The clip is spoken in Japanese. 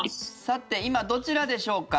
今、どちらでしょうか？